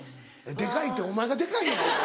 デカいってお前がデカい。